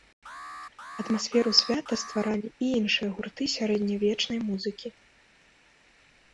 Атмасферу свята стваралі і іншыя гурты сярэдневечнай музыкі.